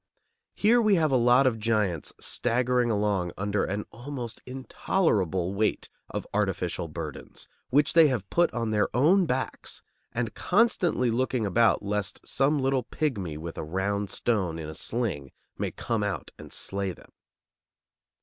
Here we have a lot of giants staggering along under an almost intolerable weight of artificial burdens, which they have put on their own backs, and constantly looking about lest some little pigmy with a round stone in a sling may come out and slay them.